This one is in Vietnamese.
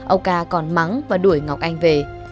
ông ca còn mắng và đuổi ngọc anh về